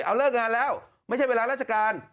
เอาเลิกงานแล้วไม่ใช่เวลาราชการ